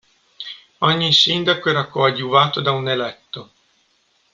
Ogni sindaco era coadiuvato da un eletto.